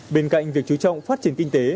bên cạnh việc chú trọng phát triển kinh tế